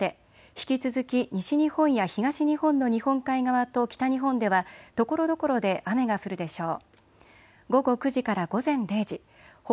引き続き西日本や東日本の日本海側と北日本ではところどころで雨が降るでしょう。